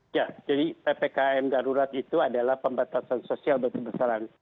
ya jadi ppkm darurat itu adalah pembatasan sosial berkebesaran